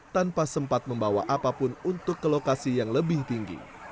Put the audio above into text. tanpa sempat membawa apapun untuk ke lokasi yang lebih tinggi